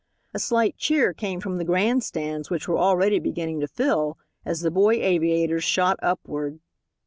A slight cheer came from the grand stands, which were already beginning to fill, as the boy aviators shot upward.